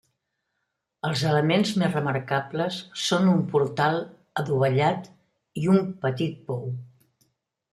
Els elements més remarcables són un portal adovellat i un petit pou.